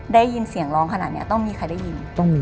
ได้ยินเสียงร้องขนาดนี้ต้องมีใครได้ยิน